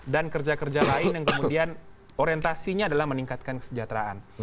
dan kerja kerja lain yang kemudian orientasinya adalah meningkatkan kesejahteraan